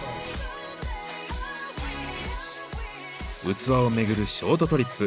器をめぐるショートトリップ。